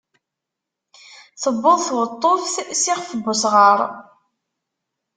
Tewweḍ tweṭṭuft s ixef n usɣaṛ.